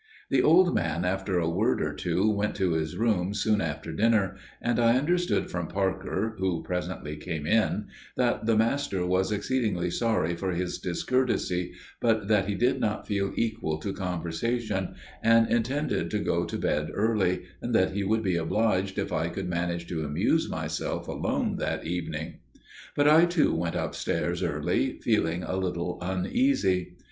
The old man, after a word or two, went to his room soon after dinner, and I understood from Parker, who presently came in, that the master was exceedingly sorry for his discourtesy, but that he did not feel equal to conversation, and intended to go to bed early, and that he would be obliged if I could manage to amuse myself alone that evening. But I too went upstairs early, feeling a little uneasy.